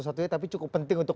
kasus itu tapi cukup penting untuk